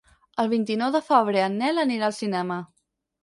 El vint-i-nou de febrer en Nel anirà al cinema.